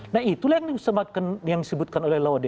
nah itulah yang disebutkan oleh lawan